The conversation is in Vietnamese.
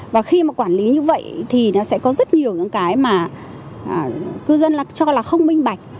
và khi mà quản lý như vậy thì nó sẽ có rất nhiều những cái mà cư dân cho là không minh bạch